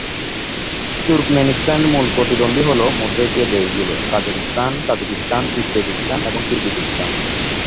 তুর্কমেনিস্তানের মূল প্রতিদ্বন্দ্বী হল মধ্য এশিয়ার দেশগুলো: কাজাখস্তান, তাজিকিস্তান, উজবেকিস্তান এবং কিরগিজস্তান।